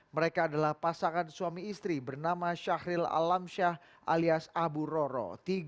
mereka adalah pasangan suami istri bernama syahril alamsyah alias abu roro